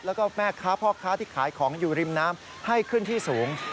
แล้วก็แม่ค้าพ่อค้าที่ขายของอยู่ริมน้ำให้ขึ้นที่สูง